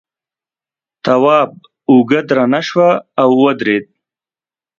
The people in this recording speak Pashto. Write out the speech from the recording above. تواب اوږه درنه شوه او ودرېد.